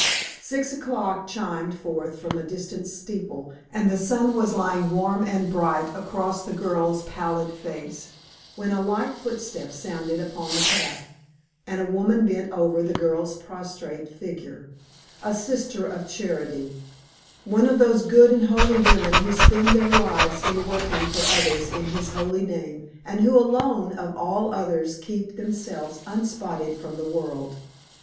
Six o'clock chimed forth from a distant steeple, and the sun was lying warm and bright across the girl's pallid face, when a light footstep sounded upon the path, and a woman bent over the girl's prostrate figure a Sister of Charity one of those good and holy women who spend their lives in working for others in His holy name, and who alone of all others keep themselves "unspotted from the world."